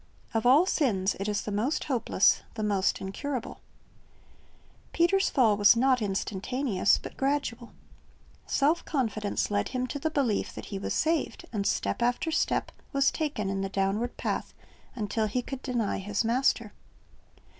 Of all sins it is the most hopeless, the most incurable, 'John 21 : 15, 17 Tiv Wo r s Ji i p c r S 1^5 Peter's fall was not instantaneous, but gradual. Self confidence led hiiii to the belief that he was saved, and step after step was taken in the downward path, until he could deny his Master.